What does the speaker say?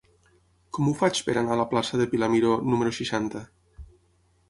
Com ho faig per anar a la plaça de Pilar Miró número seixanta?